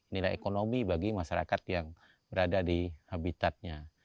nilai ekonomi bagi masyarakat yang berada di habitatnya